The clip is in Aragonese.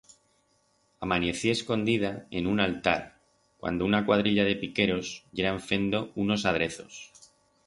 Amanecié escondida en un altar cuando una cuadrilla de piqueros yeran fendo unos adrezos.